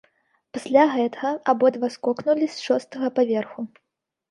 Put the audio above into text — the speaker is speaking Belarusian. Пасля гэтага абодва скокнулі з шостага паверху.